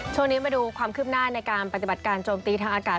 ช่วงนี้มาดูความคืบหน้าในการปฏิบัติการโจมตีทางอากาศ